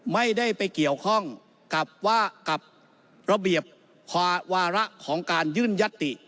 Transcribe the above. ไม่ได้ไปเกี่ยวข้องกับระเบียบความว่าเหละของการยื่นยตติ